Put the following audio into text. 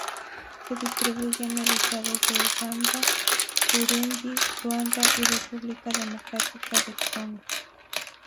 Se distribuye en el este de Uganda, Burundi, Ruanda y República Democrática del Congo.